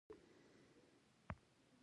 میلیونونه خلک کډوال شول.